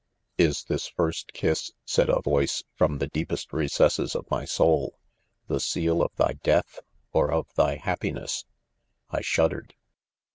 " Is this first kiss," said a voice from the deepest reces ses of my soul, "the seal of thy death or of thy happiness 1" I shuddered.